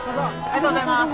ありがとうございます。